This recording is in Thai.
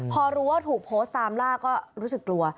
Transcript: พอรู้ว่าถูกโพสต์ตามล่าก็รู้สึกกลัว